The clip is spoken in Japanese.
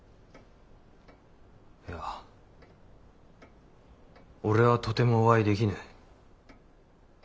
いや俺はとてもお会いできぬ。